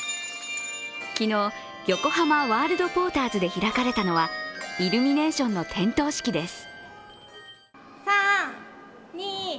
昨日、横浜ワールドポーターズで開かれたのは、イルミネーションの点灯式です。